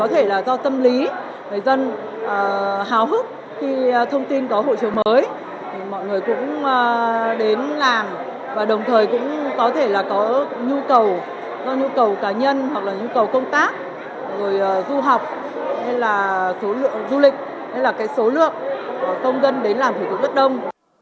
hào hức khi thông tin có hộ chiếu mới mọi người cũng đến làm và đồng thời cũng có thể là có nhu cầu có nhu cầu cá nhân hoặc là nhu cầu công tác rồi du học hay là số lượng du lịch hay là cái số lượng công dân đến làm thủ tục bất đông